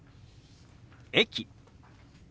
「駅」。